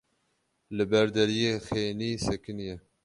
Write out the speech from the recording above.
Li ber deriyê xênî sekiniye.